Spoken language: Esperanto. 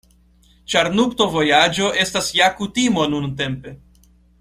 Ĉar nuptovojaĝo estas ja kutimo nuntempe.